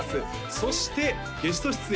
そしてゲスト出演